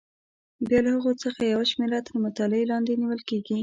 بیا له هغو څخه یوه شمېره تر مطالعې لاندې نیول کېږي.